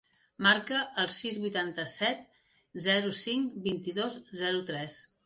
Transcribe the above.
Marca el sis, vuitanta-set, zero, cinc, vint-i-dos, zero, tres.